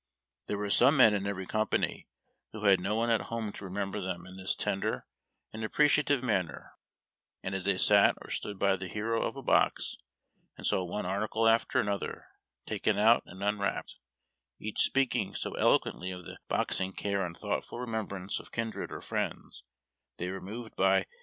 There were some men in every company who had no one at home to remember them in this tender and appreciative manner, and as they sat or stood by the hero of a box and saw one article after another taken out and unwrapped, each speaking so eloquently of the loving care and thought ful remembrance of kindred or friends, the}' were moved by 222 HAItB TACK AND COFFEE.